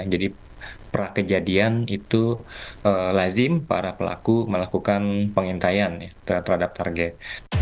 jadi prakejadian itu lazim para pelaku melakukan pengintaian terhadap target